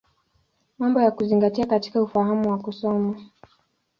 Mambo ya Kuzingatia katika Ufahamu wa Kusoma.